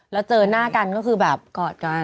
แล้วเจอหน้ากันก็คือแบบกอดกัน